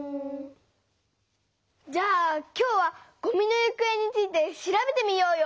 じゃあ今日は「ごみのゆくえ」について調べてみようよ！